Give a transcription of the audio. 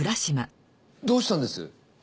どうしたんです？